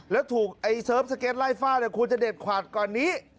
และถูกเซิร์ฟสเก็ตไล่ฝ้าควรจะเด็ดขาดกว่านี้